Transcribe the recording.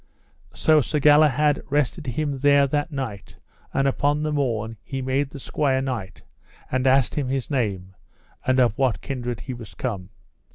So Sir Galahad rested him there that night; and upon the morn he made the squire knight, and asked him his name, and of what kindred he was come.